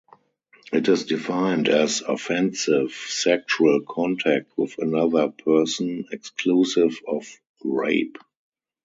It is defined as offensive sexual contact with another person, exclusive of rape.